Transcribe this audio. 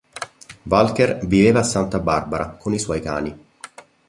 Walker viveva a Santa Barbara con i suoi cani.